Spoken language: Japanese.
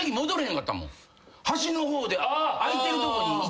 端の方で空いてるとこにいて。